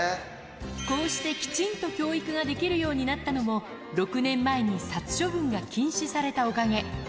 こうしてきちんと教育ができるようになったのも、６年前に殺処分が禁止されたおかげ。